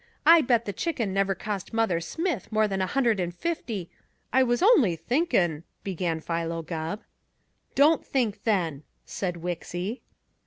I bet the Chicken never cost Mother Smith more than a hundred and fifty " "I was only thinkin' " began Philo Gubb. "Don't think, then," said Wixy.